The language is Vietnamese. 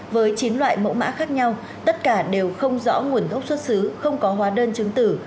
với chín loại mẫu mã khác nhau tất cả đều không rõ nguồn gốc xuất xứ không có hóa đơn chứng tử